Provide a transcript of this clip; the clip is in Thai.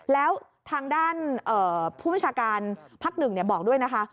แล้วทางด้านผู้บัญชาการภักดิ์๑บอกด้วยนะคะ